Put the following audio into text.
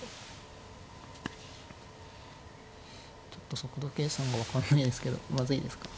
ちょっと速度計算が分かんないですけどまずいですか？